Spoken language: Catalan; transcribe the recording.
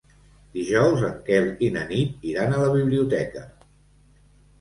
Dijous en Quel i na Nit iran a la biblioteca.